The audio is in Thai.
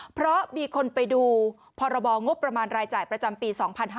เพราะมีคนไปดูพรบงบประมาณรายจ่ายประจำปี๒๕๕๙